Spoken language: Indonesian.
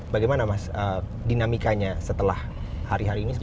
bagaimana mas dinamikanya setelah hari hari ini